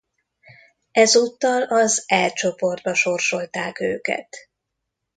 Ezúttal az E csoportba sorsolták őket.